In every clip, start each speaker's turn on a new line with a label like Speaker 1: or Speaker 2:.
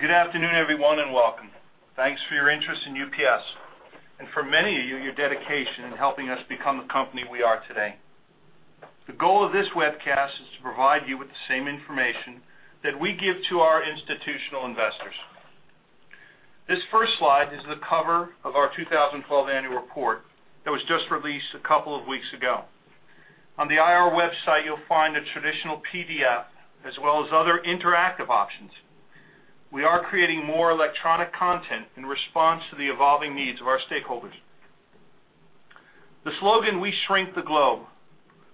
Speaker 1: ...Good afternoon, everyone, and welcome. Thanks for your interest in UPS and for many of you, your dedication in helping us become the company we are today. The goal of this webcast is to provide you with the same information that we give to our institutional investors. This first slide is the cover of our 2012 annual report that was just released a couple of weeks ago. On the IR website, you'll find a traditional PDF as well as other interactive options. We are creating more electronic content in response to the evolving needs of our stakeholders. The slogan, "We Shrink the Globe,"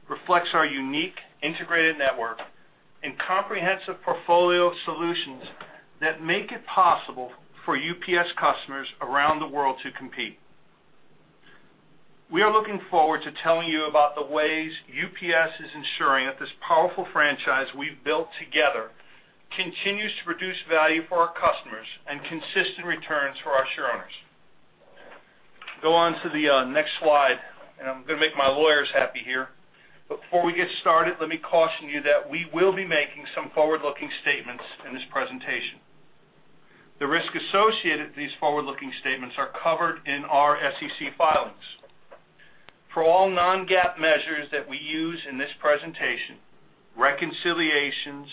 Speaker 1: reflects our unique integrated network and comprehensive portfolio of solutions that make it possible for UPS customers around the world to compete. We are looking forward to telling you about the ways UPS is ensuring that this powerful franchise we've built together continues to produce value for our customers and consistent returns for our shareowners. Go on to the next slide, and I'm going to make my lawyers happy here. But before we get started, let me caution you that we will be making some forward-looking statements in this presentation. The risks associated with these forward-looking statements are covered in our SEC filings. For all non-GAAP measures that we use in this presentation, reconciliations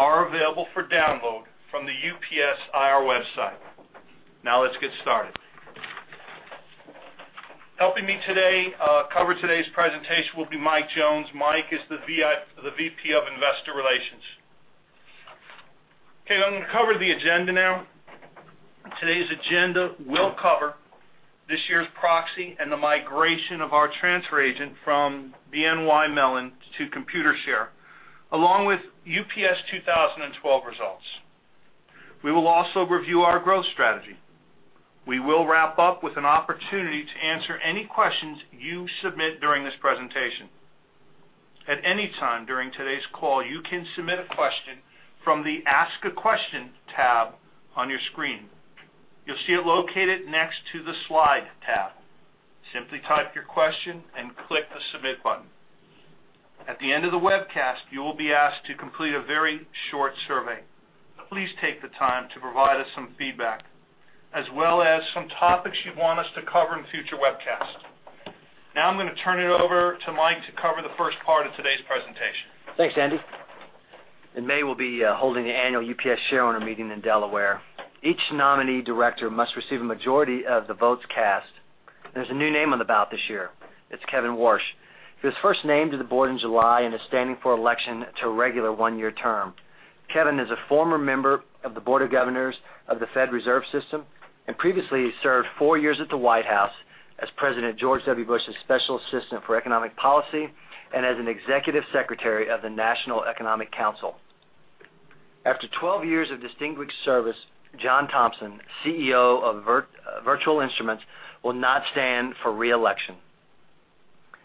Speaker 1: are available for download from the UPS IR website. Now, let's get started. Helping me today cover today's presentation will be Mike Jones. Mike is the VP of Investor Relations. Okay, I'm going to cover the agenda now. Today's agenda will cover this year's proxy and the migration of our transfer agent from BNY Mellon to Computershare, along with UPS 2012 results. We will also review our growth strategy. We will wrap up with an opportunity to answer any questions you submit during this presentation. At any time during today's call, you can submit a question from the Ask a Question tab on your screen. You'll see it located next to the Slide tab. Simply type your question and click the Submit button. At the end of the webcast, you will be asked to complete a very short survey. Please take the time to provide us some feedback, as well as some topics you want us to cover in future webcasts. Now, I'm going to turn it over to Mike to cover the first part of today's presentation.
Speaker 2: Thanks, Andy. In May, we'll be holding the annual UPS Shareowner Meeting in Delaware. Each nominee director must receive a majority of the votes cast, and there's a new name on the ballot this year. It's Kevin Warsh. He was first named to the board in July and is standing for election to a regular one-year term. Kevin is a former member of the Board of Governors of the Federal Reserve System, and previously, he served four years at the White House as President George W. Bush's Special Assistant for Economic Policy and as an Executive Secretary of the National Economic Council. After 12 years of distinguished service, John Thompson, CEO of Virtual Instruments, will not stand for re-election.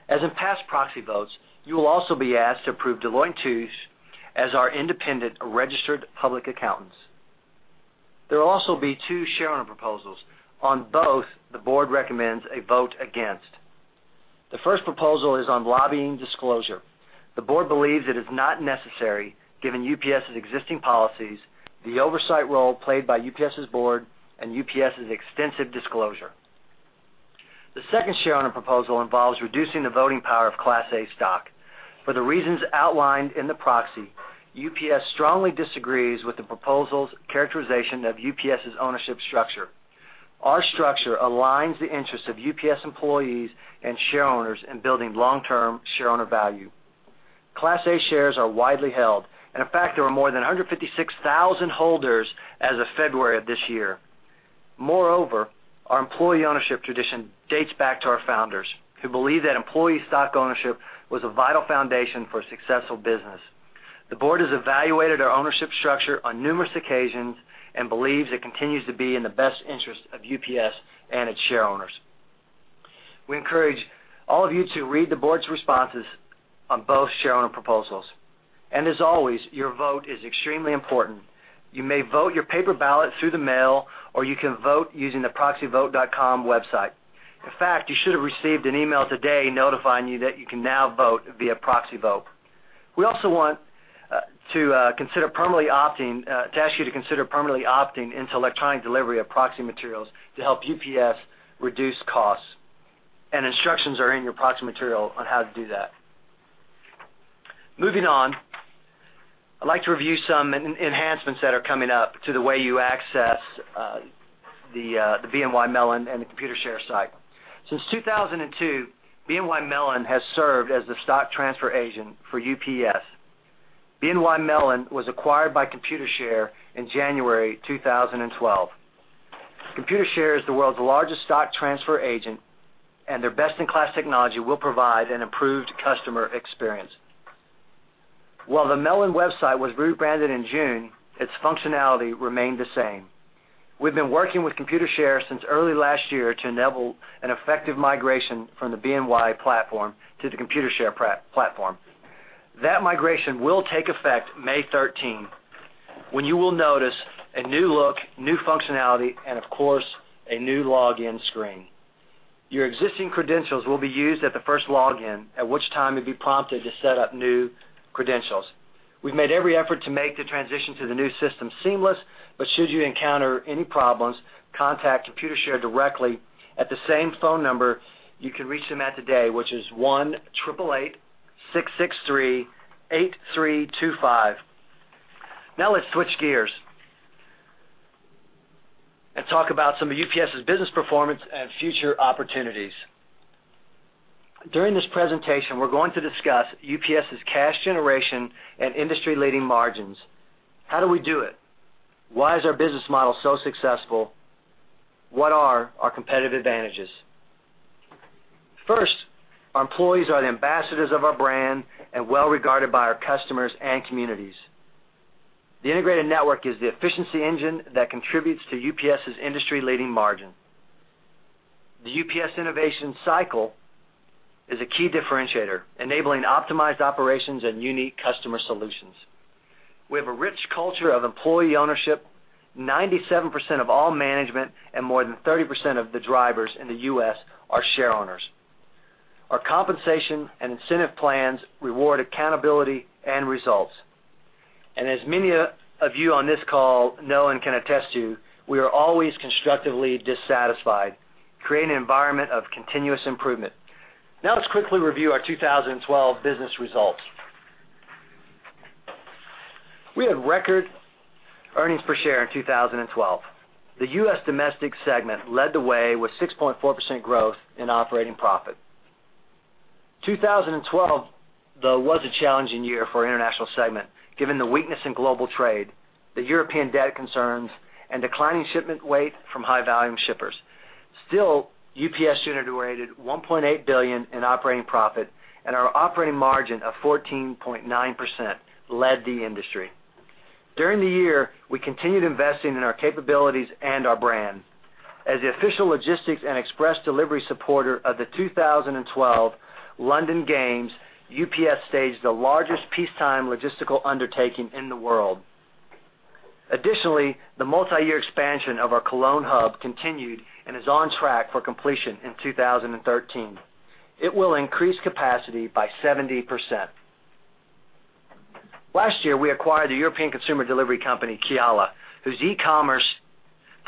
Speaker 2: As in past proxy votes, you will also be asked to approve Deloitte & Touche as our independent, registered public accountants. There will also be two shareowner proposals. On both, the board recommends a vote against. The first proposal is on lobbying disclosure. The board believes it is not necessary, given UPS's existing policies, the oversight role played by UPS's board, and UPS's extensive disclosure. The second shareowner proposal involves reducing the voting power of Class A stock. For the reasons outlined in the proxy, UPS strongly disagrees with the proposal's characterization of UPS's ownership structure. Our structure aligns the interests of UPS employees and shareowners in building long-term shareowner value. Class A shares are widely held, and in fact, there are more than 156,000 holders as of February of this year. Moreover, our employee ownership tradition dates back to our founders, who believed that employee stock ownership was a vital foundation for a successful business. The board has evaluated our ownership structure on numerous occasions and believes it continues to be in the best interest of UPS and its shareowners. We encourage all of you to read the board's responses on both shareowner proposals. As always, your vote is extremely important. You may vote your paper ballot through the mail, or you can vote using the proxyvote.com website. In fact, you should have received an email today notifying you that you can now vote via proxy vote. We also want to ask you to consider permanently opting into electronic delivery of proxy materials to help UPS reduce costs, and instructions are in your proxy material on how to do that. Moving on, I'd like to review some enhancements that are coming up to the way you access the BNY Mellon and the Computershare site. Since 2002, BNY Mellon has served as the stock transfer agent for UPS. BNY Mellon was acquired by Computershare in January 2012. Computershare is the world's largest stock transfer agent, and their best-in-class technology will provide an improved customer experience. While the Mellon website was rebranded in June, its functionality remained the same. We've been working with Computershare since early last year to enable an effective migration from the BNY platform to the Computershare platform. That migration will take effect May 13, when you will notice a new look, new functionality, and, of course, a new login screen. Your existing credentials will be used at the first login, at which time you'll be prompted to set up new credentials. We've made every effort to make the transition to the new system seamless, but should you encounter any problems, contact Computershare directly at the same phone number you can reach them at today, which is 1-888-663-8325. Now let's switch gears, and talk about some of UPS's business performance and future opportunities. During this presentation, we're going to discuss UPS's cash generation and industry-leading margins. How do we do it? Why is our business model so successful? What are our competitive advantages? First, our employees are the ambassadors of our brand and well regarded by our customers and communities. The integrated network is the efficiency engine that contributes to UPS's industry-leading margin. The UPS innovation cycle is a key differentiator, enabling optimized operations and unique customer solutions. We have a rich culture of employee ownership. 97% of all management and more than 30% of the drivers in the U.S. are shareowners. Our compensation and incentive plans reward accountability and results. And as many of you on this call know and can attest to, we are always constructively dissatisfied, creating an environment of continuous improvement. Now, let's quickly review our 2012 business results. We had record earnings per share in 2012. The U.S. domestic segment led the way with 6.4% growth in operating profit. 2012, though, was a challenging year for our international segment, given the weakness in global trade, the European debt concerns, and declining shipment weight from high-volume shippers. Still, UPS generated $1.8 billion in operating profit, and our operating margin of 14.9% led the industry. During the year, we continued investing in our capabilities and our brand. As the official logistics and express delivery supporter of the 2012 London Games, UPS staged the largest peacetime logistical undertaking in the world. Additionally, the multiyear expansion of our Cologne hub continued and is on track for completion in 2013. It will increase capacity by 70%. Last year, we acquired the European consumer delivery company, Kiala, whose e-commerce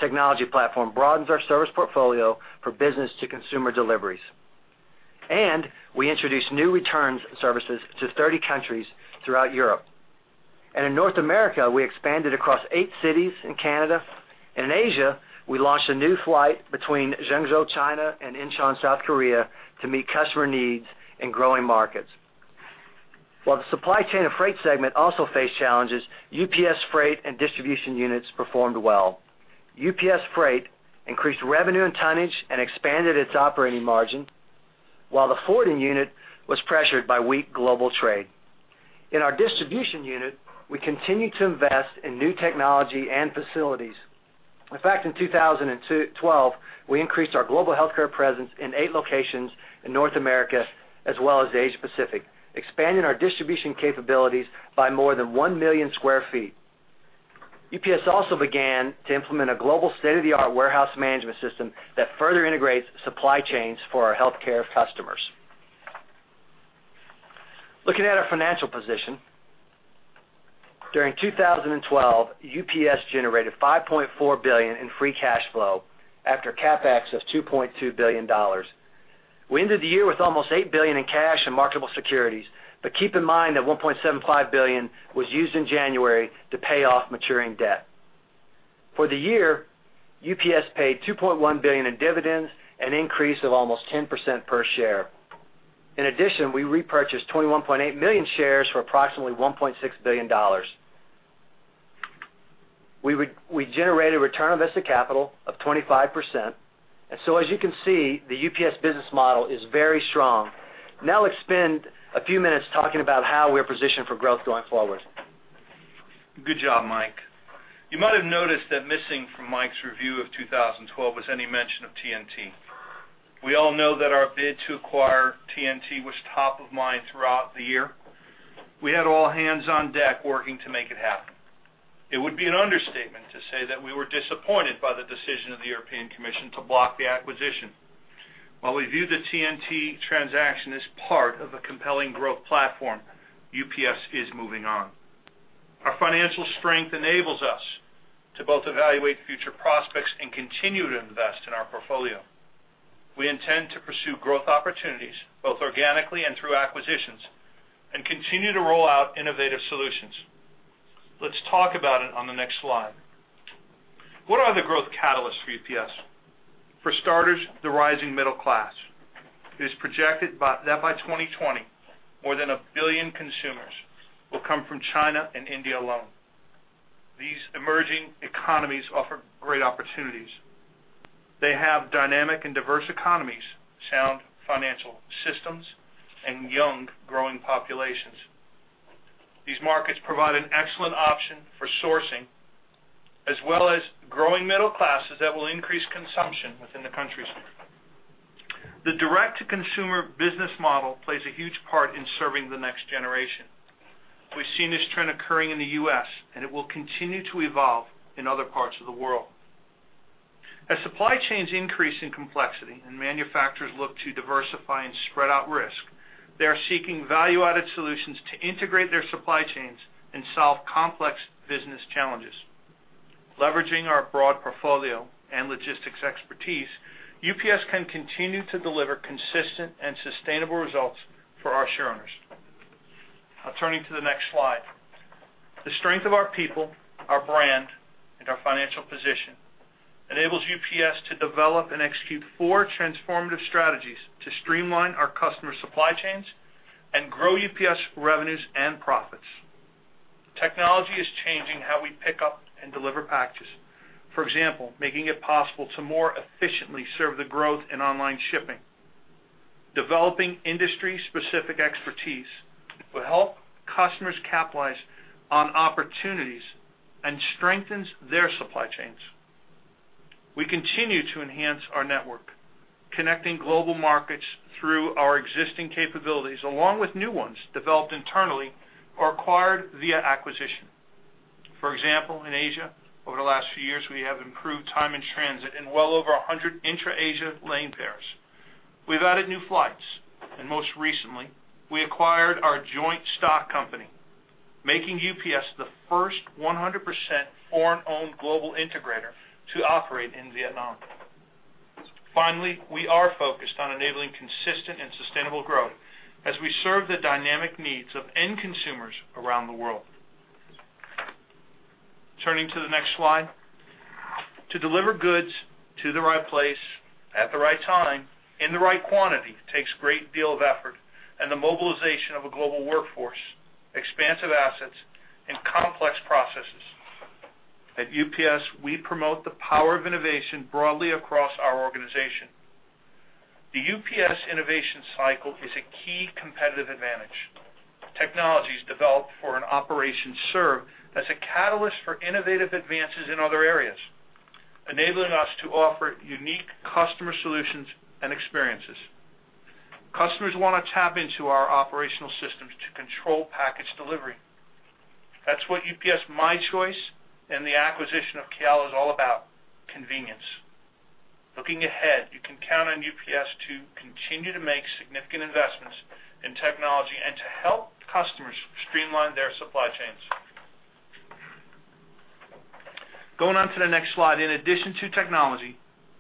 Speaker 2: technology platform broadens our service portfolio for business-to-consumer deliveries. We introduced new returns services to 30 countries throughout Europe. In North America, we expanded across eight cities in Canada, and in Asia, we launched a new flight between Zhengzhou, China, and Incheon, South Korea, to meet customer needs in growing markets. While the supply chain and freight segment also faced challenges, UPS Freight and distribution units performed well. UPS Freight increased revenue and tonnage and expanded its operating margin, while the forwarding unit was pressured by weak global trade. In our distribution unit, we continued to invest in new technology and facilities. In fact, in 2012, we increased our global healthcare presence in eight locations in North America as well as Asia Pacific, expanding our distribution capabilities by more than 1 million sq ft. UPS also began to implement a global state-of-the-art warehouse management system that further integrates supply chains for our healthcare customers. Looking at our financial position, during 2012, UPS generated $5.4 billion in free cash flow after CapEx of $2.2 billion. We ended the year with almost $8 billion in cash and marketable securities, but keep in mind that $1.75 billion was used in January to pay off maturing debt. For the year, UPS paid $2.1 billion in dividends, an increase of almost 10% per share. In addition, we repurchased 21.8 million shares for approximately $1.6 billion. We generated a return on invested capital of 25%. So, as you can see, the UPS business model is very strong. Now, let's spend a few minutes talking about how we're positioned for growth going forward.
Speaker 1: Good job, Mike. You might have noticed that missing from Mike's review of 2012 was any mention of TNT. We all know that our bid to acquire TNT was top of mind throughout the year. We had all hands on deck working to make it happen. It would be an understatement to say that we were disappointed by the decision of the European Commission to block the acquisition. While we view the TNT transaction as part of a compelling growth platform, UPS is moving on. Our financial strength enables us to both evaluate future prospects and continue to invest in our portfolio. We intend to pursue growth opportunities, both organically and through acquisitions, and continue to roll out innovative solutions. Let's talk about it on the next slide. What are the growth catalysts for UPS? For starters, the rising middle class. It is projected that by 2020, more than 1 billion consumers will come from China and India alone. These emerging economies offer great opportunities. They have dynamic and diverse economies, sound financial systems, and young, growing populations. These markets provide an excellent option for sourcing, as well as growing middle classes that will increase consumption within the countries. The direct-to-consumer business model plays a huge part in serving the next generation.... We've seen this trend occurring in the U.S., and it will continue to evolve in other parts of the world. As supply chains increase in complexity and manufacturers look to diversify and spread out risk, they are seeking value-added solutions to integrate their supply chains and solve complex business challenges. Leveraging our broad portfolio and logistics expertise, UPS can continue to deliver consistent and sustainable results for our shareowners. Now turning to the next slide. The strength of our people, our brand, and our financial position enables UPS to develop and execute four transformative strategies to streamline our customer supply chains and grow UPS revenues and profits. Technology is changing how we pick up and deliver packages. For example, making it possible to more efficiently serve the growth in online shipping. Developing industry-specific expertise will help customers capitalize on opportunities and strengthens their supply chains. We continue to enhance our network, connecting global markets through our existing capabilities, along with new ones developed internally or acquired via acquisition. For example, in Asia, over the last few years, we have improved time and transit in well over 100 intra-Asia lane pairs. We've added new flights, and most recently, we acquired our joint stock company, making UPS the first 100% foreign-owned global integrator to operate in Vietnam. Finally, we are focused on enabling consistent and sustainable growth as we serve the dynamic needs of end consumers around the world. Turning to the next slide. To deliver goods to the right place, at the right time, in the right quantity, takes a great deal of effort and the mobilization of a global workforce, expansive assets, and complex processes. At UPS, we promote the power of innovation broadly across our organization. The UPS innovation cycle is a key competitive advantage. Technologies developed for an operation serve as a catalyst for innovative advances in other areas, enabling us to offer unique customer solutions and experiences. Customers want to tap into our operational systems to control package delivery. That's what UPS My Choice and the acquisition of Kiala is all about, convenience. Looking ahead, you can count on UPS to continue to make significant investments in technology and to help customers streamline their supply chains. Going on to the next slide. In addition to technology,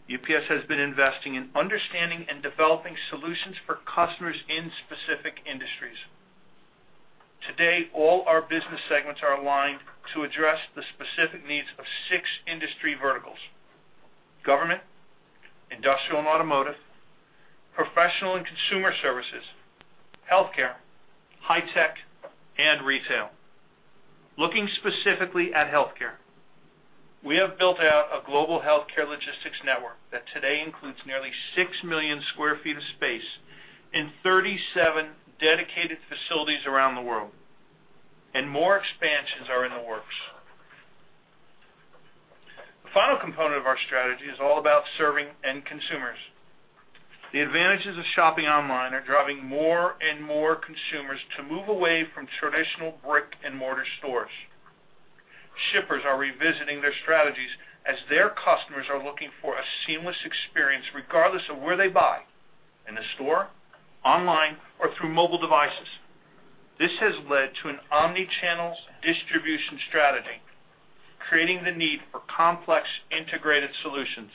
Speaker 1: UPS has been investing in understanding and developing solutions for customers in specific industries. Today, all our business segments are aligned to address the specific needs of six industry verticals: government, industrial and automotive, professional and consumer services, healthcare, high tech, and retail. Looking specifically at healthcare, we have built out a global healthcare logistics network that today includes nearly 6 million sq ft of space in 37 dedicated facilities around the world, and more expansions are in the works. The final component of our strategy is all about serving end consumers. The advantages of shopping online are driving more and more consumers to move away from traditional brick-and-mortar stores. Shippers are revisiting their strategies as their customers are looking for a seamless experience, regardless of where they buy: in the store, online, or through mobile devices. This has led to an omni-channel distribution strategy, creating the need for complex integrated solutions.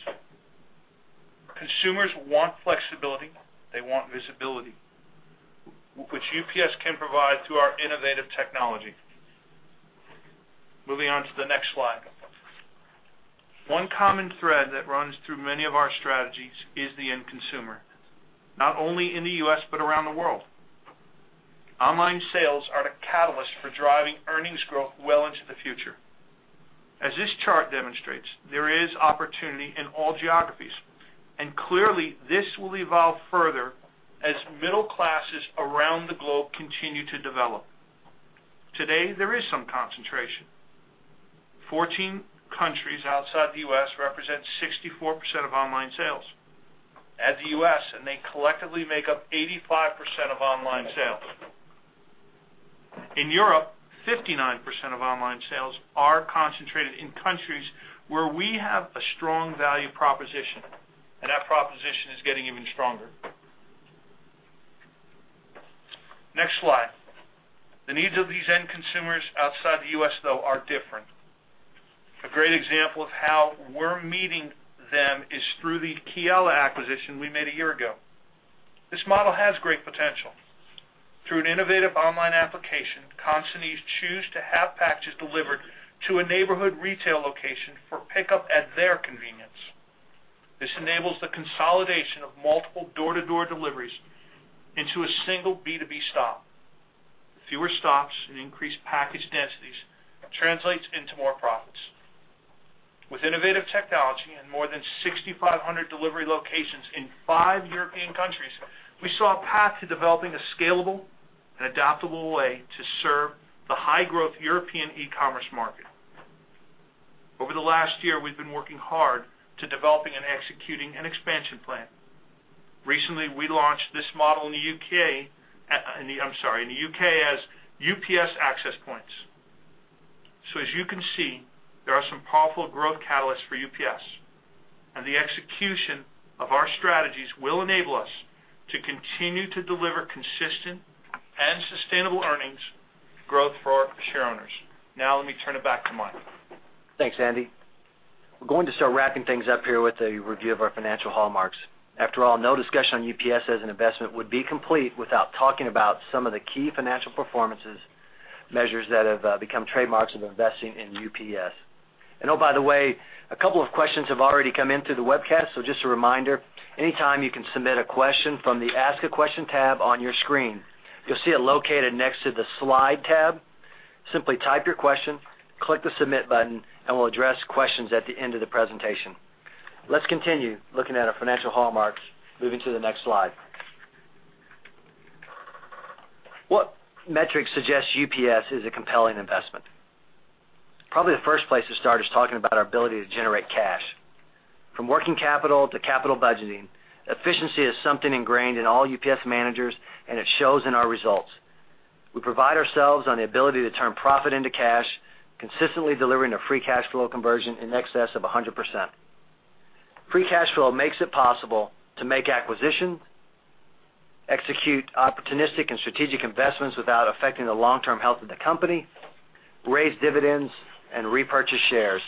Speaker 1: Consumers want flexibility, they want visibility, which UPS can provide through our innovative technology. Moving on to the next slide. One common thread that runs through many of our strategies is the end consumer, not only in the U.S., but around the world. Online sales are the catalyst for driving earnings growth well into the future. As this chart demonstrates, there is opportunity in all geographies, and clearly, this will evolve further as middle classes around the globe continue to develop. Today, there is some concentration. 14 countries outside the U.S. represent 64% of online sales as the U.S., and they collectively make up 85% of online sales. In Europe, 59% of online sales are concentrated in countries where we have a strong value proposition, and that proposition is getting even stronger. Next slide. The needs of these end consumers outside the U.S., though, are different. A great example of how we're meeting them is through the Kiala acquisition we made a year ago. This model has great potential. Through an innovative online application, consignees choose to have packages delivered to a neighborhood retail location for pickup at their convenience. This enables the consolidation of multiple door-to-door deliveries into a single B2B stop. Fewer stops and increased package densities translates into more profits. With innovative technology and more than 6,500 delivery locations in five European countries, we saw a path to developing a scalable and adaptable way to serve the high-growth European e-commerce market. Over the last year, we've been working hard to developing and executing an expansion plan. Recently, we launched this model in the U.K. as UPS Access Points. So as you can see, there are some powerful growth catalysts for UPS, and the execution of our strategies will enable us to continue to deliver consistent and sustainable earnings growth for our shareowners. Now, let me turn it back to Mike.
Speaker 2: Thanks, Andy. We're going to start wrapping things up here with a review of our financial hallmarks. After all, no discussion on UPS as an investment would be complete without talking about some of the key financial performances, measures that have become trademarks of investing in UPS. And, oh, by the way, a couple of questions have already come in through the webcast, so just a reminder, anytime you can submit a question from the Ask a Question tab on your screen. You'll see it located next to the Slide tab. Simply type your question, click the Submit button, and we'll address questions at the end of the presentation. Let's continue looking at our financial hallmarks, moving to the next slide. What metrics suggest UPS is a compelling investment? Probably the first place to start is talking about our ability to generate cash. From working capital to capital budgeting, efficiency is something ingrained in all UPS managers, and it shows in our results. We pride ourselves on the ability to turn profit into cash, consistently delivering a free cash flow conversion in excess of 100%. Free cash flow makes it possible to make acquisitions, execute opportunistic and strategic investments without affecting the long-term health of the company, raise dividends, and repurchase shares.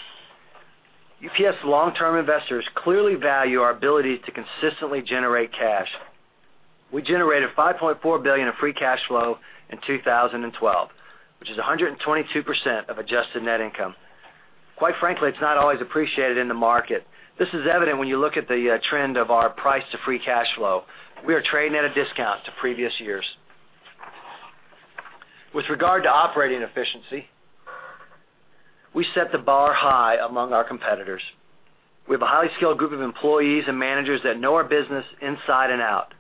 Speaker 2: UPS long-term investors clearly value our ability to consistently generate cash. We generated $5.4 billion of free cash flow in 2012, which is 122% of adjusted net income. Quite frankly, it's not always appreciated in the market. This is evident when you look at the trend of our price to free cash flow. We are trading at a discount to previous years. With regard to operating efficiency, we set the bar high among our competitors. We have a highly skilled group of employees and managers that know our business inside and out.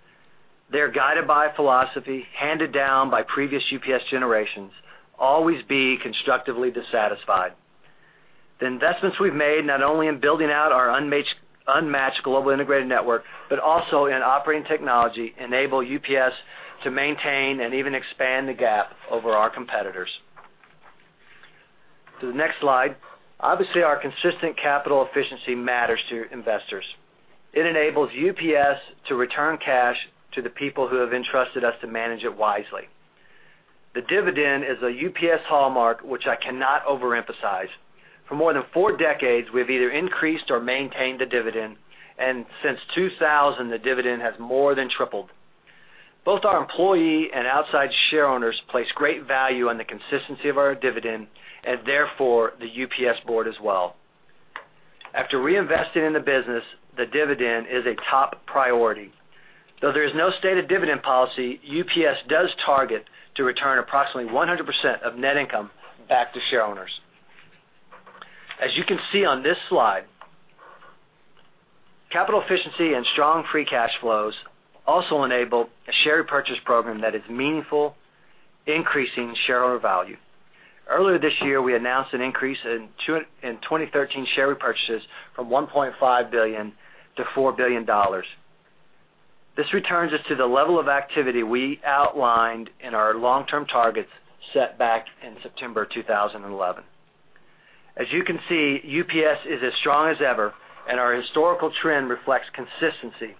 Speaker 2: They're guided by a philosophy handed down by previous UPS generations, always be constructively dissatisfied. The investments we've made, not only in building out our unmatched global integrated network, but also in operating technology, enable UPS to maintain and even expand the gap over our competitors. To the next slide. Obviously, our consistent capital efficiency matters to investors. It enables UPS to return cash to the people who have entrusted us to manage it wisely. The dividend is a UPS hallmark, which I cannot overemphasize. For more than four decades, we've either increased or maintained the dividend, and since 2000, the dividend has more than tripled. Both our employee and outside shareowners place great value on the consistency of our dividend and therefore, the UPS board as well. After reinvesting in the business, the dividend is a top priority. Though there is no stated dividend policy, UPS does target to return approximately 100% of net income back to shareowners. As you can see on this slide, capital efficiency and strong free cash flows also enable a share repurchase program that is meaningful, increasing shareowner value. Earlier this year, we announced an increase in 2013 share repurchases from $1.5 billion-$4 billion. This returns us to the level of activity we outlined in our long-term targets set back in September 2011. As you can see, UPS is as strong as ever, and our historical trend reflects consistency.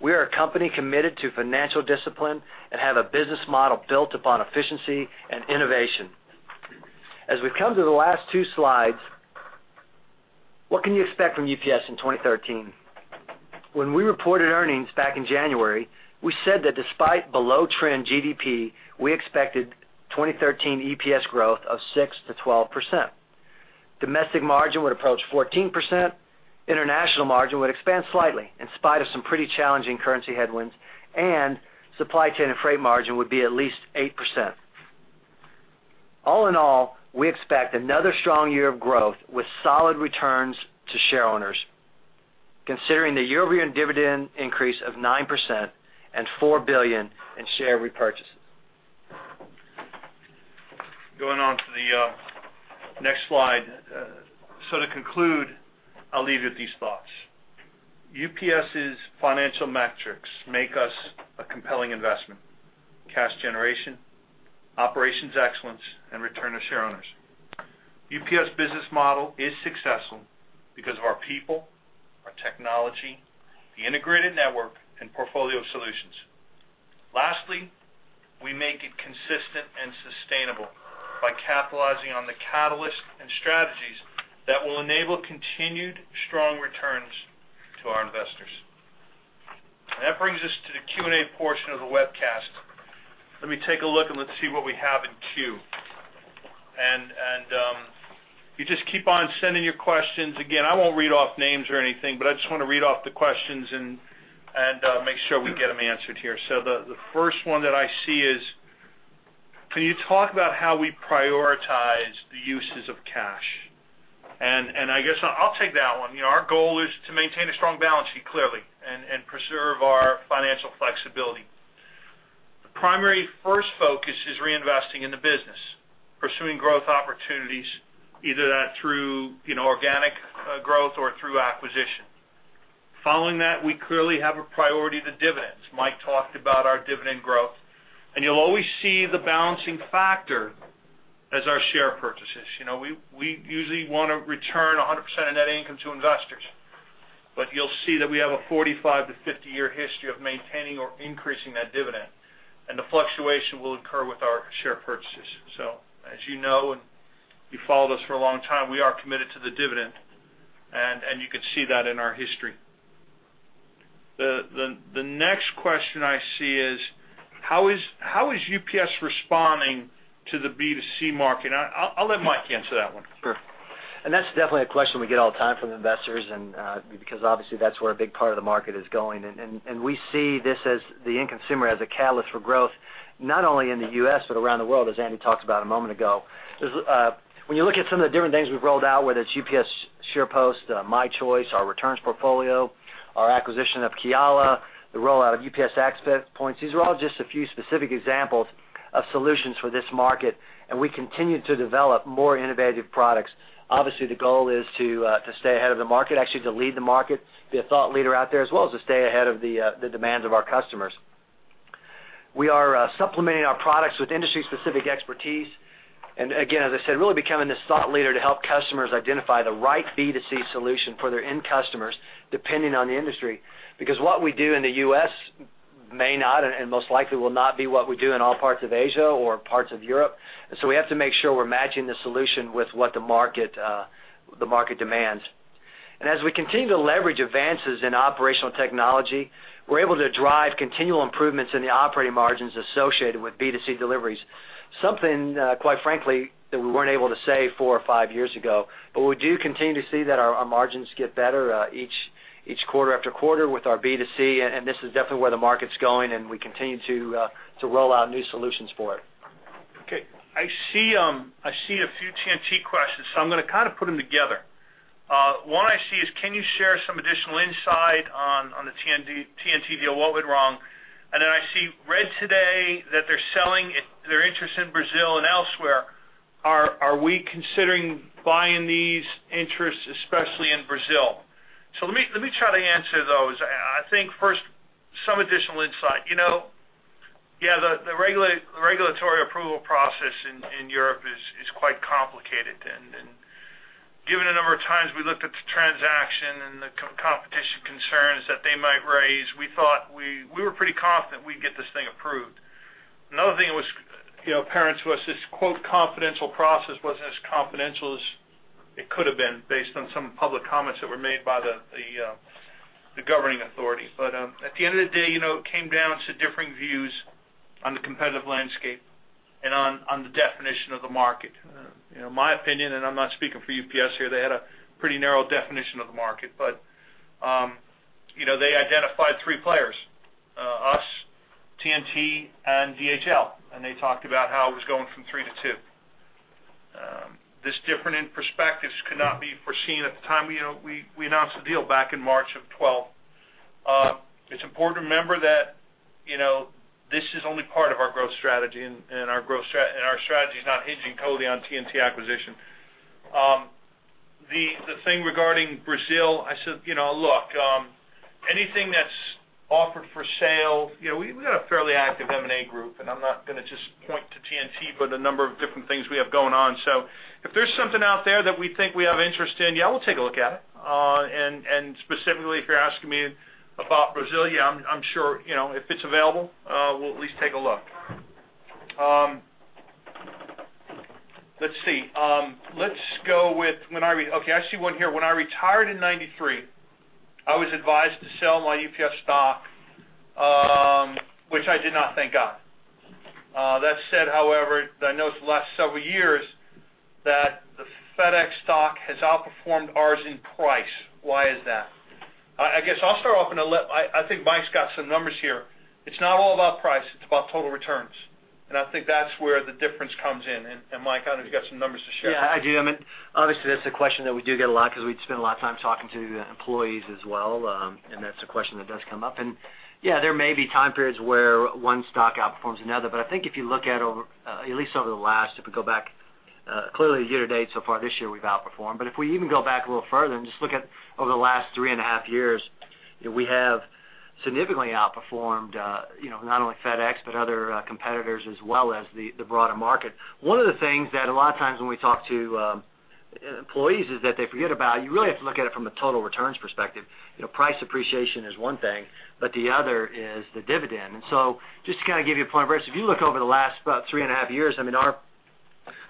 Speaker 2: We are a company committed to financial discipline and have a business model built upon efficiency and innovation. As we come to the last two slides, what can you expect from UPS in 2013? When we reported earnings back in January, we said that despite below-trend GDP, we expected 2013 EPS growth of 6%-12%. Domestic margin would approach 14%, international margin would expand slightly, in spite of some pretty challenging currency headwinds, and supply chain and freight margin would be at least 8%. All in all, we expect another strong year of growth with solid returns to shareowners, considering the year-over-year dividend increase of 9% and $4 billion in share repurchases.
Speaker 1: Going on to the next slide. So to conclude, I'll leave you with these thoughts. UPS's financial metrics make us a compelling investment: cash generation, operations excellence, and return to shareowners. UPS business model is successful because of our people, our technology, the integrated network, and portfolio of solutions. Lastly, we make it consistent and sustainable by capitalizing on the catalysts and strategies that will enable continued strong returns to our investors. And that brings us to the Q&A portion of the webcast. Let me take a look, and let's see what we have in queue. And, you just keep on sending your questions. Again, I won't read off names or anything, but I just want to read off the questions and, make sure we get them answered here. So the first one that I see is: Can you talk about how we prioritize the uses of cash? And I guess I'll take that one. You know, our goal is to maintain a strong balance sheet, clearly, and preserve our financial flexibility.... Primary first focus is reinvesting in the business, pursuing growth opportunities, either that through, you know, organic growth or through acquisition. Following that, we clearly have a priority to dividends. Mike talked about our dividend growth, and you'll always see the balancing factor as our share purchases. You know, we usually want to return 100% of net income to investors, but you'll see that we have a 45-50-year history of maintaining or increasing that dividend, and the fluctuation will occur with our share purchases. So as you know, and you followed us for a long time, we are committed to the dividend, and you can see that in our history. The next question I see is: how is UPS responding to the B2C market? I'll let Mike answer that one.
Speaker 2: Sure. And that's definitely a question we get all the time from investors, and, because obviously, that's where a big part of the market is going. And we see this as the end consumer, as a catalyst for growth, not only in the U.S., but around the world, as Andy talked about a moment ago. There's, when you look at some of the different things we've rolled out, whether it's UPS SurePost, My Choice, our returns portfolio, our acquisition of Kiala, the rollout of UPS Access Points, these are all just a few specific examples of solutions for this market, and we continue to develop more innovative products. Obviously, the goal is to, to stay ahead of the market, actually, to lead the market, be a thought leader out there, as well as to stay ahead of the demands of our customers. We are supplementing our products with industry-specific expertise. And again, as I said, really becoming this thought leader to help customers identify the right B2C solution for their end customers, depending on the industry. Because what we do in the U.S. may not, and most likely will not, be what we do in all parts of Asia or parts of Europe. And so we have to make sure we're matching the solution with what the market demands. And as we continue to leverage advances in operational technology, we're able to drive continual improvements in the operating margins associated with B2C deliveries. Something, quite frankly, that we weren't able to say four or five years ago, but we do continue to see that our margins get better each quarter after quarter with our B2C, and this is definitely where the market's going, and we continue to roll out new solutions for it.
Speaker 1: Okay, I see I see a few TNT questions, so I'm going to kind of put them together. One I see is: can you share some additional insight on the TNT deal? What went wrong? And then I see, read today that they're selling their interest in Brazil and elsewhere. Are we considering buying these interests, especially in Brazil? So let me try to answer those. I think first, some additional insight. You know, yeah, the regulatory approval process in Europe is quite complicated, and given the number of times we looked at the transaction and the competition concerns that they might raise, we were pretty confident we'd get this thing approved. Another thing that was, you know, apparent to us, this, quote, "confidential process" wasn't as confidential as it could have been based on some public comments that were made by the governing authority. But, at the end of the day, you know, it came down to differing views on the competitive landscape and on the definition of the market. You know, my opinion, and I'm not speaking for UPS here, they had a pretty narrow definition of the market. But, you know, they identified three players, us, TNT, and DHL, and they talked about how it was going from three to two. This different in perspectives could not be foreseen at the time, you know, we announced the deal back in March of 2012. It's important to remember that, you know, this is only part of our growth strategy, and our strategy is not hinging totally on TNT acquisition. The thing regarding Brazil, I said, you know, look, anything that's offered for sale, you know, we got a fairly active M&A group, and I'm not going to just point to TNT, but a number of different things we have going on. So if there's something out there that we think we have interest in, yeah, we'll take a look at it. And specifically, if you're asking me about Brazil, yeah, I'm sure, you know, if it's available, we'll at least take a look. Let's see. Okay, I see one here. When I retired in 1993, I was advised to sell my UPS stock, which I did not, thank God. That said, however, I noticed the last several years that the FedEx stock has outperformed ours in price. Why is that? I guess I'll start off, and I'll let-- I think Mike's got some numbers here. It's not all about price, it's about total returns. And I think that's where the difference comes in. And, Mike, I don't know if you've got some numbers to share.
Speaker 2: Yeah, I do. I mean, obviously, that's a question that we do get a lot because we'd spend a lot of time talking to employees as well, and that's a question that does come up. And yeah, there may be time periods where one stock outperforms another, but I think if you look at over, at least over the last, if we go back, clearly year to date, so far this year, we've outperformed. But if we even go back a little further and just look at over the last three and a half years, you know, we have significantly outperformed, you know, not only FedEx, but other, competitors as well as the broader market. One of the things that a lot of times when we talk to employees is that they forget about, you really have to look at it from a total returns perspective. You know, price appreciation is one thing, but the other is the dividend. And so just to kind of give you a point of reference, if you look over the last about three and a half years, I mean, our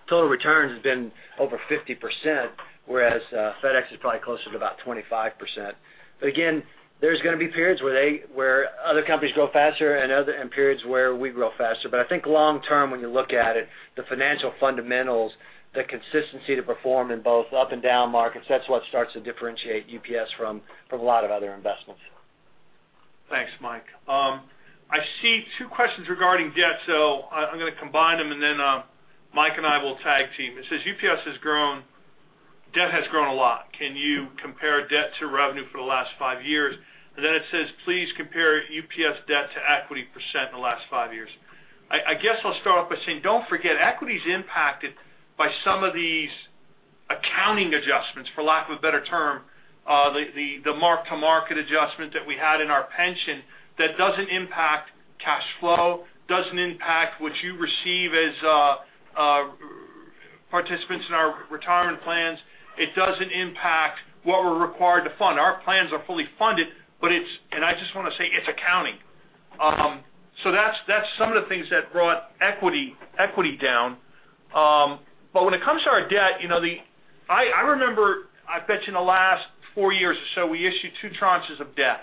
Speaker 2: total returns has been over 50%, whereas FedEx is probably closer to about 25%. But again, there's going to be periods where they, where other companies grow faster and other, and periods where we grow faster. But I think long term, when you look at it, the financial fundamentals, the consistency to perform in both up and down markets, that's what starts to differentiate UPS from, from a lot of other investments.
Speaker 1: Thanks, Mike. I see two questions regarding debt, so I, I'm going to combine them, and then, Mike and I will tag team. It says: debt has grown a lot. Can you compare debt to revenue for the last five years? And then it says, Please compare UPS debt to equity percent in the last five years. I guess I'll start off by saying, don't forget, equity is impacted by some of these accounting adjustments, for lack of a better term, the mark-to-market adjustment that we had in our pension, that doesn't impact cash flow, doesn't impact what you receive as participants in our retirement plans. It doesn't impact what we're required to fund. Our plans are fully funded, but it's—and I just want to say, it's accounting. So that's some of the things that brought equity down. But when it comes to our debt, you know, I remember, I bet you in the last four years or so, we issued two tranches of debt,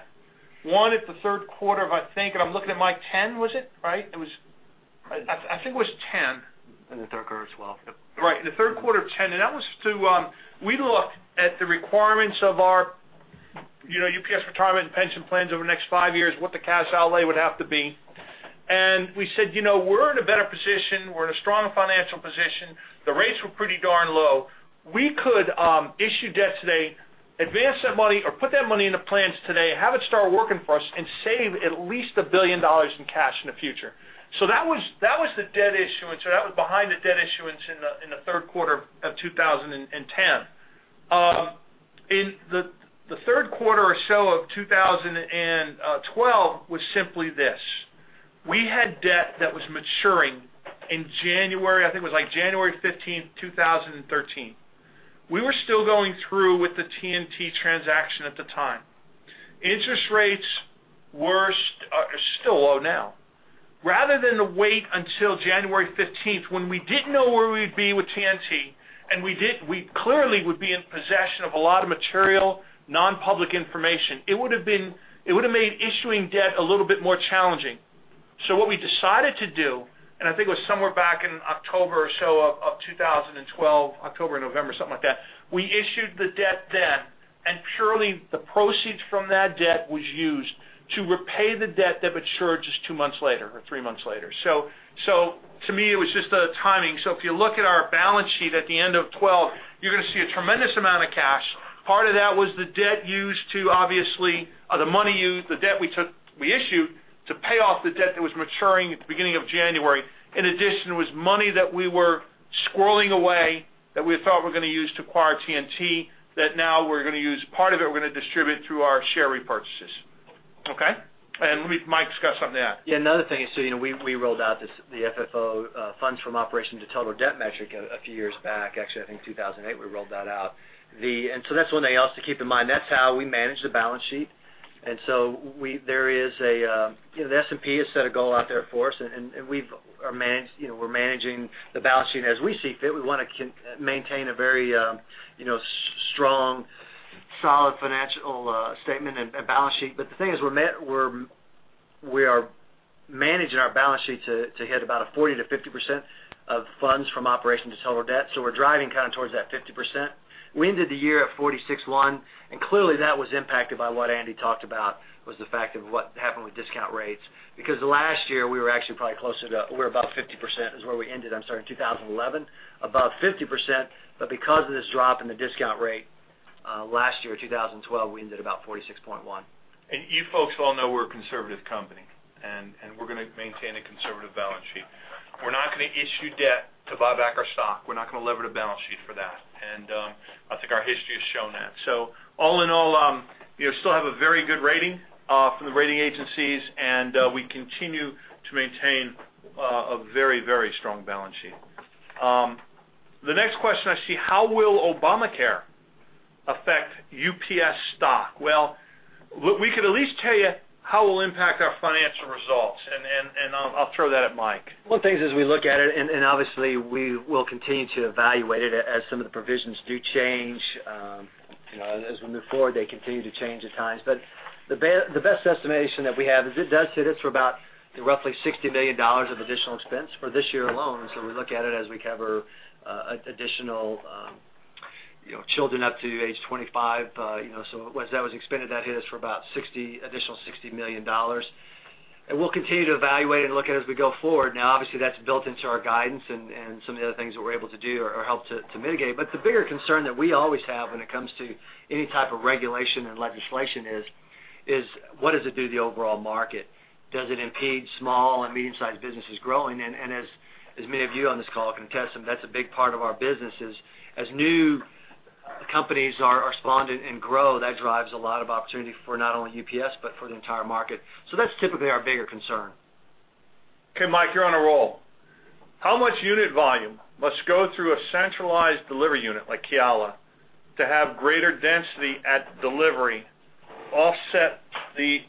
Speaker 1: one at the third quarter of, I think, and I'm looking at Mike, 2010, was it? Right. It was, I think it was 2010.
Speaker 2: In the third quarter of 2012.
Speaker 1: Right, in the third quarter of 2010, and that was to, we looked at the requirements of our, you know, UPS retirement and pension plans over the next five years, what the cash outlay would have to be. And we said, "You know, we're in a better position. We're in a stronger financial position. The rates were pretty darn low. We could, issue debt today, advance that money or put that money in the plans today, have it start working for us, and save at least $1 billion in cash in the future." So that was, that was the debt issuance, or that was behind the debt issuance in the, in the third quarter of 2010. In the third quarter or so of 2012 was simply this: we had debt that was maturing in January, I think it was like January 15, 2013. We were still going through with the TNT transaction at the time. Interest rates are still low now. Rather than to wait until January 15, when we didn't know where we'd be with TNT, and we clearly would be in possession of a lot of material, non-public information, it would have made issuing debt a little bit more challenging. So what we decided to do, and I think it was somewhere back in October or so of 2012, October, November, something like that, we issued the debt then, and purely the proceeds from that debt was used to repay the debt that matured just two months later or three months later. So to me, it was just a timing. So if you look at our balance sheet at the end of 2012, you're going to see a tremendous amount of cash. Part of that was the debt used to obviously the money used, the debt we took, we issued, to pay off the debt that was maturing at the beginning of January. In addition, it was money that we were squirreling away that we thought we're going to use to acquire TNT, that now we're going to use... Part of it, we're going to distribute through our share repurchases. Okay? And let Mike discuss something to add.
Speaker 2: Yeah, another thing is, so you know, we rolled out this, the FFO, funds from operations to total debt metric a few years back. Actually, I think 2008, we rolled that out. And so that's one thing also to keep in mind, that's how we manage the balance sheet. And so we—there is a, you know, the S&P has set a goal out there for us, and we've are manage, you know, we're managing the balance sheet as we see fit. We want to maintain a very, you know, strong, solid financial statement and balance sheet. But the thing is, we're, we are managing our balance sheet to hit about a 40%-50% of funds from operations to total debt. So we're driving kind of towards that 50%. We ended the year at 46.1, and clearly, that was impacted by what Andy talked about, was the fact of what happened with discount rates. Because last year, we were actually probably closer to we're about 50% is where we ended, I'm sorry, in 2011, about 50%. But because of this drop in the discount rate, last year, in 2012, we ended at about 46.1.
Speaker 1: And you folks all know we're a conservative company, and we're going to maintain a conservative balance sheet. We're not going to issue debt to buy back our stock. We're not going to lever the balance sheet for that. And I think our history has shown that. So all in all, we still have a very good rating from the rating agencies, and we continue to maintain a very, very strong balance sheet. The next question I see: How will Obamacare affect UPS stock? Well, we could at least tell you how it will impact our financial results, and I'll throw that at Mike.
Speaker 2: One thing is, we look at it, and, and obviously, we will continue to evaluate it as some of the provisions do change. You know, as we move forward, they continue to change at times. But the best estimation that we have is it does hit us for about roughly $60 million of additional expense for this year alone. So we look at it as we cover additional, you know, children up to age 25, you know, so once that was expanded, that hit us for about $60 million, additional $60 million. And we'll continue to evaluate and look at as we go forward. Now, obviously, that's built into our guidance and some of the other things that we're able to do or help to mitigate. But the bigger concern that we always have when it comes to any type of regulation and legislation is what does it do to the overall market? Does it impede small and medium-sized businesses growing? And as many of you on this call can attest, and that's a big part of our business, is as new companies are spawned and grow, that drives a lot of opportunity for not only UPS, but for the entire market. So that's typically our bigger concern.
Speaker 1: Okay, Mike, you're on a roll. How much unit volume must go through a centralized delivery unit like Kiala to have greater density at delivery offset the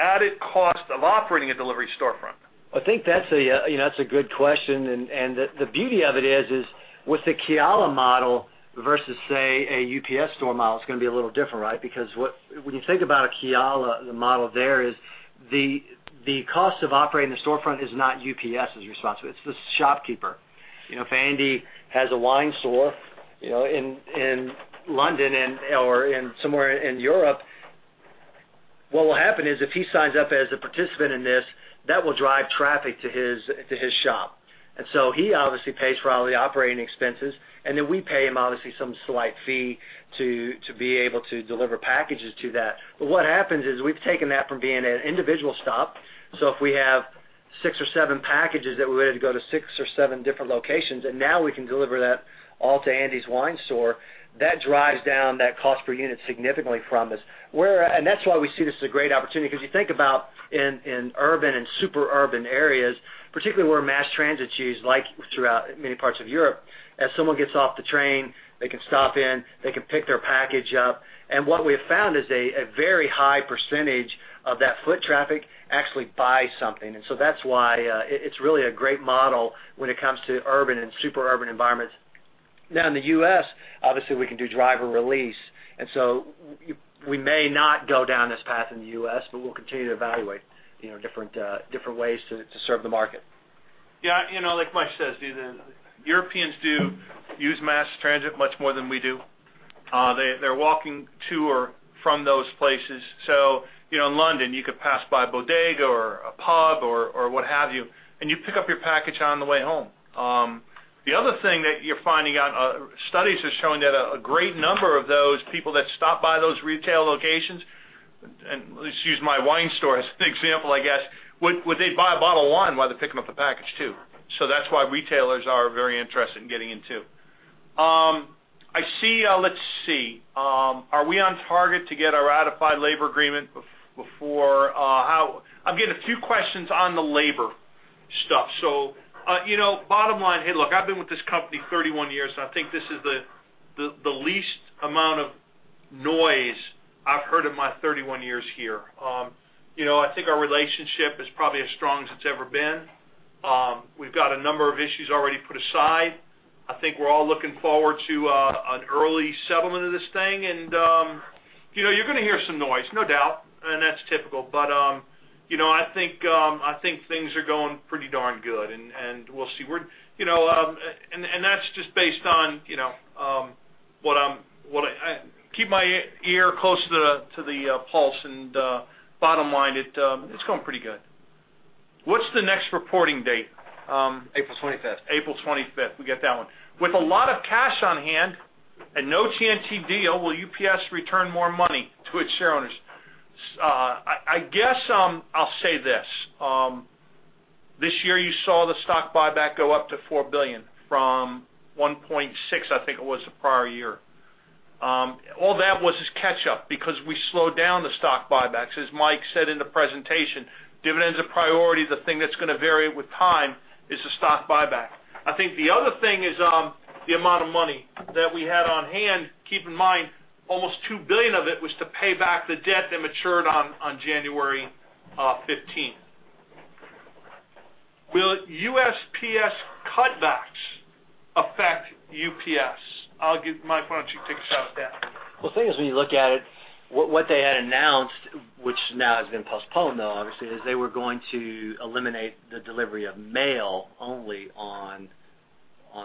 Speaker 1: added cost of operating a delivery storefront?
Speaker 2: I think that's a, you know, that's a good question, and the beauty of it is with the Kiala model versus, say, a UPS store model, it's going to be a little different, right? Because, when you think about a Kiala, the model there is the cost of operating the storefront is not UPS's responsibility. It's the shopkeeper. You know, if Andy has a wine store, you know, in London or somewhere in Europe, what will happen is if he signs up as a participant in this, that will drive traffic to his shop. And so he obviously pays for all the operating expenses, and then we pay him, obviously, some slight fee to be able to deliver packages to that. But what happens is we've taken that from being an individual stop. So if we have six or seven packages that were ready to go to six or seven different locations, and now we can deliver that all to Andy's wine store, that drives down that cost per unit significantly from us. And that's why we see this as a great opportunity, because you think about in urban and super urban areas, particularly where mass transit is used, like throughout many parts of Europe, as someone gets off the train, they can stop in, they can pick their package up. And what we have found is a very high percentage of that foot traffic actually buys something. And so that's why, it, it's really a great model when it comes to urban and super urban environments. Now, in the U.S., obviously, we can do driver release, and so we may not go down this path in the U.S., but we'll continue to evaluate, you know, different, different ways to serve the market.
Speaker 1: Yeah, you know, like Mike says, the Europeans do use mass transit much more than we do. They’re walking to or from those places. So, you know, in London, you could pass by a bodega or a pub or what have you, and you pick up your package on the way home. The other thing that you're finding out, studies are showing that a great number of those people that stop by those retail locations, and let's use my wine store as an example, I guess, would they buy a bottle of wine while they're picking up a package, too? So that's why retailers are very interested in getting in, too. I see. Let's see, are we on target to get our ratified labor agreement before, I'm getting a few questions on the labor stuff. So, you know, bottom line, hey, look, I've been with this company 31 years. I think this is the least amount of noise I've heard in my 31 years here. You know, I think our relationship is probably as strong as it's ever been. We've got a number of issues already put aside. I think we're all looking forward to an early settlement of this thing, and, you know, you're going to hear some noise, no doubt, and that's typical. But, you know, I think things are going pretty darn good, and we'll see. You know, and that's just based on, you know, what I keep my ear close to the pulse, and bottom line, it's going pretty good. What's the next reporting date?
Speaker 2: April 25th.
Speaker 1: April 25th. We get that one. With a lot of cash on hand and no TNT deal, will UPS return more money to its shareholders? I guess, I'll say this, this year, you saw the stock buyback go up to $4 billion from $1.6 billion, I think it was the prior year. All that was is catch up because we slowed down the stock buybacks. As Mike said in the presentation, dividend is a priority. The thing that's going to vary with time is the stock buyback. I think the other thing is, the amount of money that we had on hand. Keep in mind, almost $2 billion of it was to pay back the debt that matured on January fifteenth. Will USPS cutbacks affect UPS? I'll give... Mike, why don't you take a shot at that?
Speaker 2: Well, the thing is, when you look at it, what they had announced, which now has been postponed, though, obviously, is they were going to eliminate the delivery of mail only on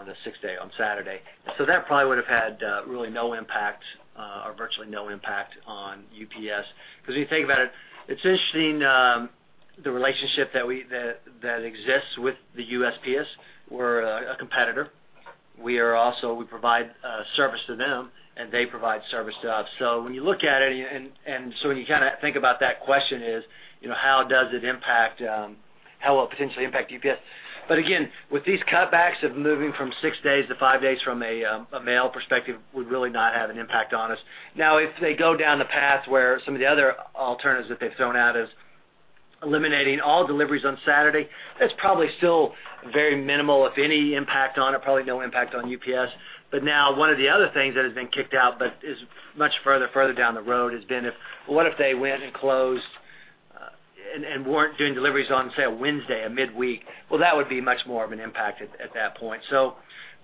Speaker 2: the sixth day, on Saturday. So that probably would have had really no impact, or virtually no impact on UPS. Because if you think about it, it's interesting, the relationship that exists with the USPS. We're a competitor. We are also—we provide service to them, and they provide service to us. So when you look at it, and so when you kind of think about that question is, you know, how does it impact, how will it potentially impact UPS? But again, with these cutbacks of moving from six days to five days from a mail perspective, would really not have an impact on us. Now, if they go down the path where some of the other alternatives that they've thrown out is eliminating all deliveries on Saturday, that's probably still very minimal, if any, impact on it, probably no impact on UPS. But now, one of the other things that has been kicked out, but is much further down the road, has been, what if they went and closed and weren't doing deliveries on, say, a Wednesday, a midweek? Well, that would be much more of an impact at that point. So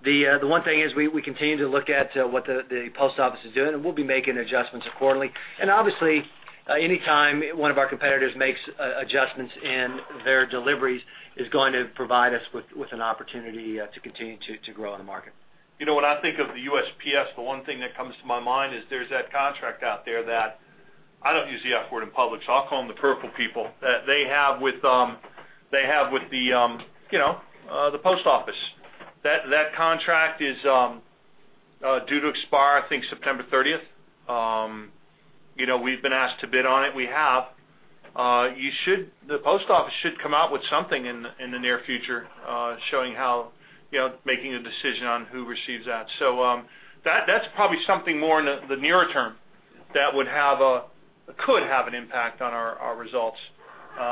Speaker 2: the one thing is we continue to look at what the post office is doing, and we'll be making adjustments accordingly. Obviously, anytime one of our competitors makes adjustments in their deliveries, is going to provide us with an opportunity to continue to grow in the market.
Speaker 1: You know, when I think of the USPS, the one thing that comes to my mind is there's that contract out there that I don't use the F word in public, so I'll call them the purple people, that they have with the post office. That contract is due to expire, I think, September 30th. You know, we've been asked to bid on it. We have. The post office should come out with something in the near future, showing how, you know, making a decision on who receives that. So, that's probably something more in the nearer term that could have an impact on our results.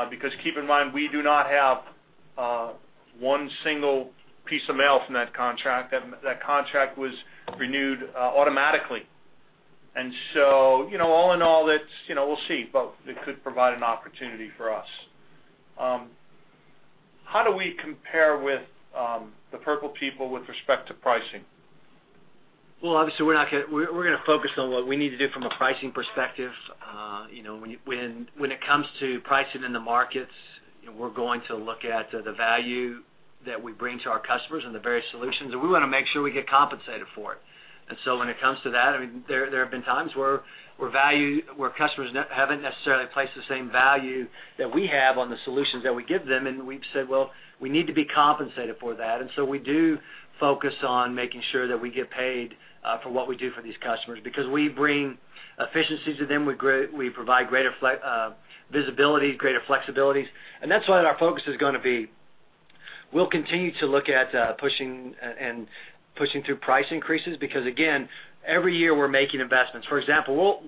Speaker 1: Because keep in mind, we do not have one single piece of mail from that contract. That, that contract was renewed automatically. And so, you know, all in all, it's, you know, we'll see, but it could provide an opportunity for us. How do we compare with the purple people with respect to pricing?
Speaker 2: Well, obviously, we're gonna focus on what we need to do from a pricing perspective. You know, when it comes to pricing in the markets, you know, we're going to look at the value that we bring to our customers and the various solutions, and we want to make sure we get compensated for it. And so when it comes to that, I mean, there have been times where customers haven't necessarily placed the same value that we have on the solutions that we give them, and we've said, well, we need to be compensated for that. So we do focus on making sure that we get paid for what we do for these customers because we bring efficiency to them, we provide greater flexibility, visibility, greater flexibilities, and that's what our focus is going to be. We'll continue to look at pushing and pushing through price increases because, again, every year we're making investments. For example,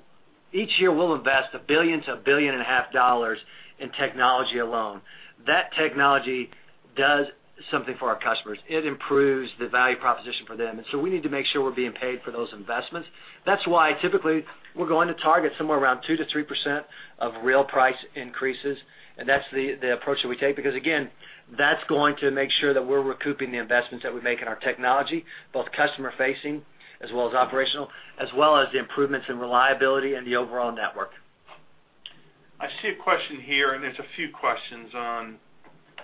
Speaker 2: each year, we'll invest $1 billion-$1.5 billion in technology alone. That technology does something for our customers. It improves the value proposition for them, and so we need to make sure we're being paid for those investments. That's why, typically, we're going to target somewhere around 2%-3% of real price increases, and that's the approach that we take, because, again, that's going to make sure that we're recouping the investments that we make in our technology, both customer-facing as well as operational, as well as the improvements in reliability and the overall network.
Speaker 1: I see a question here, and there's a few questions on,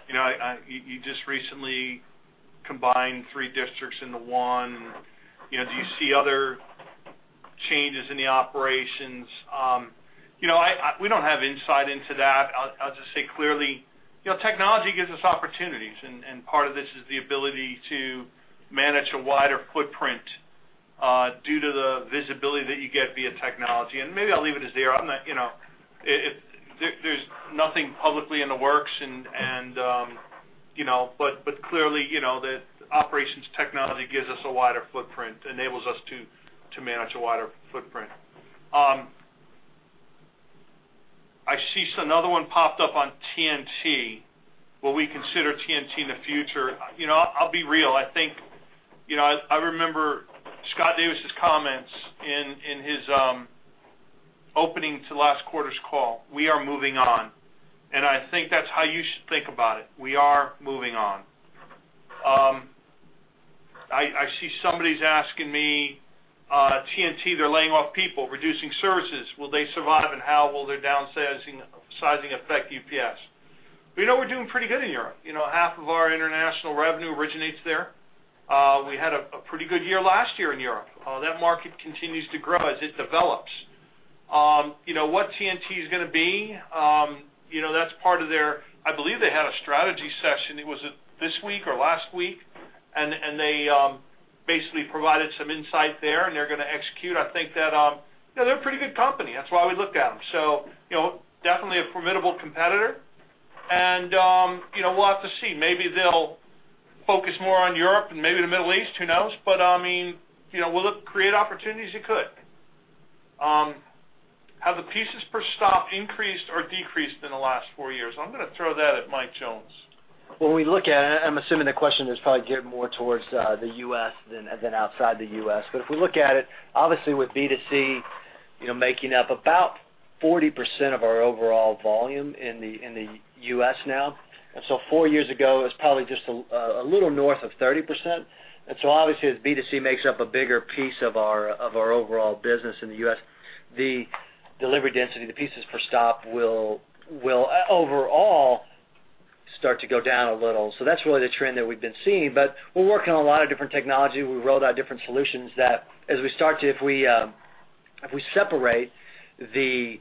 Speaker 1: you know, you just recently combined three districts into one. You know, do you see other changes in the operations? You know, we don't have insight into that. I'll just say clearly, you know, technology gives us opportunities, and part of this is the ability to manage a wider footprint, due to the visibility that you get via technology. And maybe I'll leave it as there. I'm not, you know, if there's nothing publicly in the works and, you know, but clearly, you know, the operations technology gives us a wider footprint, enables us to manage a wider footprint. I see another one popped up on TNT. Will we consider TNT in the future? You know, I'll be real. I think, you know, I remember Scott Davis's comments in his opening to last quarter's call. We are moving on, and I think that's how you should think about it. We are moving on. I see somebody's asking me, "TNT, they're laying off people, reducing services. Will they survive, and how will their downsizing, sizing affect UPS?" We know we're doing pretty good in Europe. You know, half of our international revenue originates there. We had a pretty good year last year in Europe. That market continues to grow as it develops. You know, what TNT is going to be? You know, that's part of their... I believe they had a strategy session. It was this week or last week, and they basically provided some insight there, and they're going to execute. I think that, you know, they're a pretty good company. That's why we looked at them. So, you know, definitely a formidable competitor. And, you know, we'll have to see. Maybe they'll focus more on Europe and maybe the Middle East, who knows? But, I mean, you know, will it create opportunities? It could. Have the pieces per stop increased or decreased in the last four years? I'm going to throw that at Mike Jones.
Speaker 2: When we look at it, I'm assuming the question is probably geared more towards the U.S. than outside the U.S. But if we look at it, obviously, with B2C, you know, making up about 40% of our overall volume in the U.S. now, and so four years ago, it was probably just a little north of 30%. And so obviously, as B2C makes up a bigger piece of our overall business in the U.S., the delivery density, the pieces per stop, will overall start to go down a little. So that's really the trend that we've been seeing. But we're working on a lot of different technology. We rolled out different solutions that as we start to... If we separate the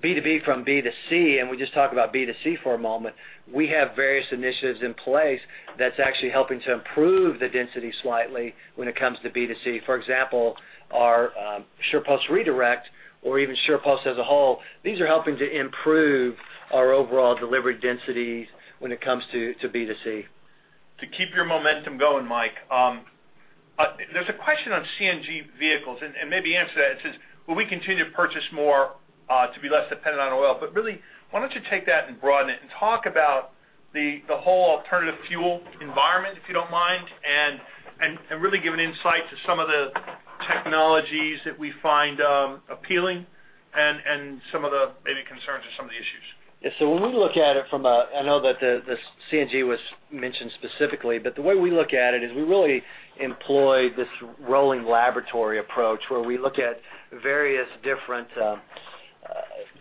Speaker 2: B2B from B2C, and we just talk about B2C for a moment, we have various initiatives in place that's actually helping to improve the density slightly when it comes to B2C. For example, our SurePost Redirect or even SurePost as a whole, these are helping to improve our overall delivery densities when it comes to B2C.
Speaker 1: To keep your momentum going, Mike, there's a question on CNG vehicles, and maybe answer that. It says: Will we continue to purchase more, to be less dependent on oil? But really, why don't you take that and broaden it and talk about the whole alternative fuel environment, if you don't mind, and really give an insight to some of the technologies that we find appealing and some of the, maybe concerns or some of the issues.
Speaker 2: Yeah. So when we look at it from a... I know that the CNG was mentioned specifically, but the way we look at it is we really employ this rolling laboratory approach, where we look at various different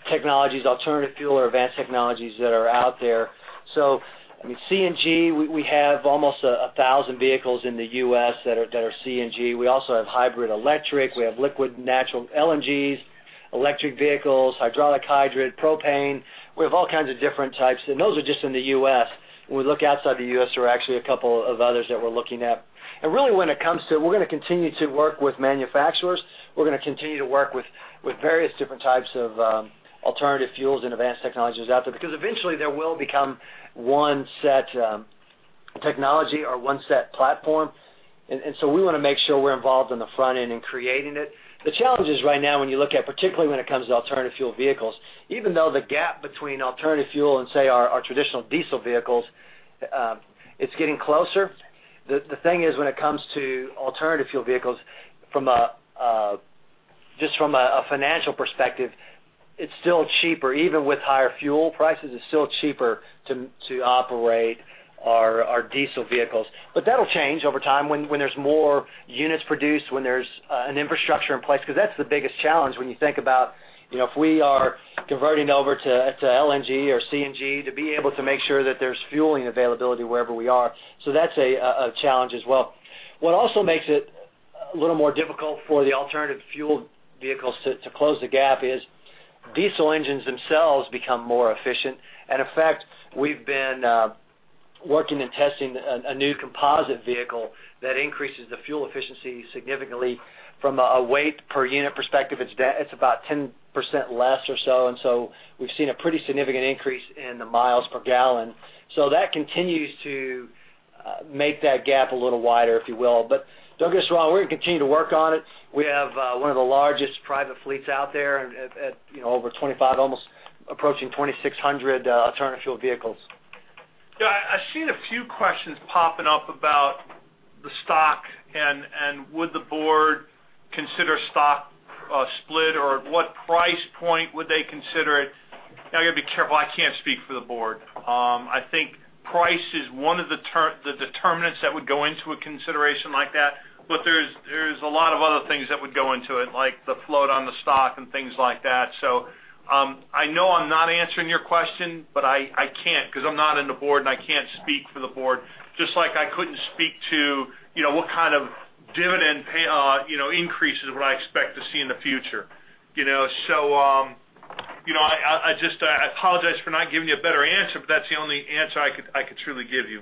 Speaker 2: technologies, alternative fuel or advanced technologies that are out there. So, I mean, CNG, we have almost 1,000 vehicles in the U.S. that are CNG. We also have hybrid electric, we have liquid natural, LNGs, electric vehicles, hydraulic hybrid, propane. We have all kinds of different types, and those are just in the U.S. When we look outside the U.S., there are actually a couple of others that we're looking at. And really, when it comes to, we're going to continue to work with manufacturers, we're going to continue to work with, with various different types of alternative fuels and advanced technologies out there, because eventually there will become one set technology or one set platform. And so we want to make sure we're involved on the front end in creating it. The challenge is right now, when you look at, particularly when it comes to alternative fuel vehicles, even though the gap between alternative fuel and, say, our traditional diesel vehicles, it's getting closer. The thing is, when it comes to alternative fuel vehicles from a financial perspective, it's still cheaper. Even with higher fuel prices, it's still cheaper to operate our diesel vehicles. But that'll change over time when there's more units produced, when there's an infrastructure in place, because that's the biggest challenge when you think about, you know, if we are converting over to LNG or CNG, to be able to make sure that there's fueling availability wherever we are. So that's a challenge as well. What also makes it a little more difficult for the alternative fuel vehicles to close the gap is diesel engines themselves become more efficient. And in fact, we've been working and testing a new composite vehicle that increases the fuel efficiency significantly from a weight per unit perspective, it's about 10% less or so, and so we've seen a pretty significant increase in the miles per gallon. So that continues to make that gap a little wider, if you will. But don't get us wrong, we're gonna continue to work on it. We have one of the largest private fleets out there at, you know, over 25, almost approaching 2,600 alternative fuel vehicles.
Speaker 1: Yeah, I've seen a few questions popping up about the stock and would the board consider stock split, or what price point would they consider it? Now, I gotta be careful. I can't speak for the board. I think price is one of the determinants that would go into a consideration like that, but there's a lot of other things that would go into it, like the float on the stock and things like that. So, I know I'm not answering your question, but I can't, 'cause I'm not in the board, and I can't speak for the board, just like I couldn't speak to, you know, what kind of dividend pay, you know, increases what I expect to see in the future, you know? So, you know, I just apologize for not giving you a better answer, but that's the only answer I could truly give you.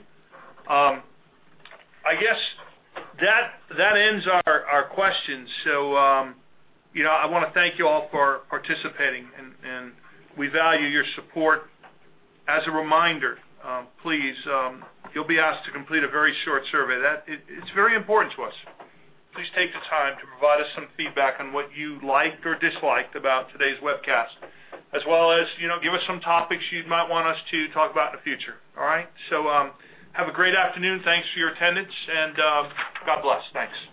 Speaker 1: I guess that ends our questions. So, you know, I wanna thank you all for participating, and we value your support. As a reminder, please, you'll be asked to complete a very short survey. It's very important to us. Please take the time to provide us some feedback on what you liked or disliked about today's webcast, as well as, you know, give us some topics you'd might want us to talk about in the future, all right? So, have a great afternoon. Thanks for your attendance, and, God bless. Thanks.